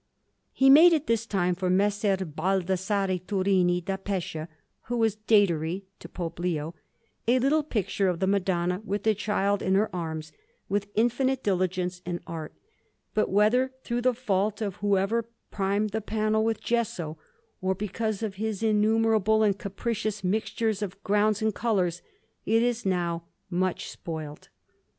He made at this time, for Messer Baldassarre Turini da Pescia, who was Datary to Pope Leo, a little picture of the Madonna with the Child in her arms, with infinite diligence and art; but whether through the fault of whoever primed the panel with gesso, or because of his innumerable and capricious mixtures of grounds and colours, it is now much spoilt.